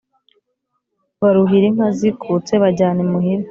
baruhira, inka zikutse bajyana imuhira